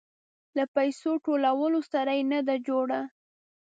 له پيسو ټولولو سره يې نه ده جوړه.